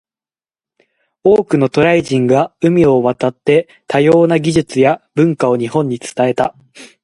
多くの渡来人が海を渡って、多様な技術や文化を日本に伝えた。